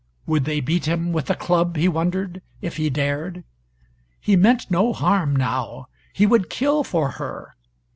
Would they beat him with a club, he wondered, if he dared! He meant no harm now. He would kill for her.